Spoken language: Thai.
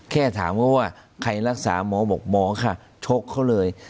แค่ถามเขาว่าใครรักษาหมอบอกหมอค่ะชกเขาเลย